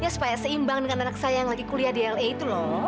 supaya seimbang dengan anak saya yang lagi kuliah di la itu loh